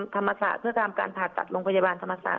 ธรรมศาสตร์เพื่อทำการผ่าตัดโรงพยาบาลธรรมศาสต